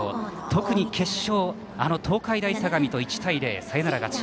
特に決勝はあの東海大相模と１対０サヨナラ勝ち。